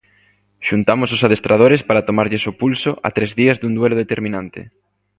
Xuntamos os adestradores para tomarlles o pulso a tres días dun duelo determinante.